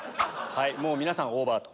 皆さんオーバーと。